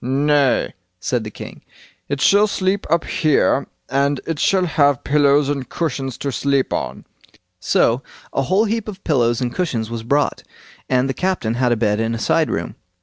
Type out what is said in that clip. "Nay", said the king, "it shall sleep up here, and it shall have pillows and cushions to sleep on." So a whole heap of pillows and cushions was brought, and the captain had a bed in a side room.